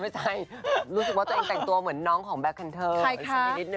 ไม่ใช่รู้สึกว่าจะเองแต่งตัวเหมือนน้องของแบล็คคันเทิร์